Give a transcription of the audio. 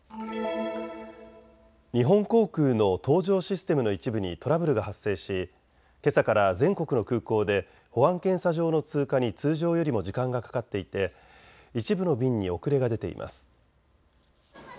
日本航空の搭乗システムの一部にトラブルが発生し、けさから全国の空港で保安検査場の通過に通常よりも時間がかかっていて一部の便に遅れが出ています。